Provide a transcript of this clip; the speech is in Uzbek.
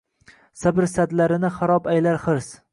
Sabr sadlarini harob aylar hirs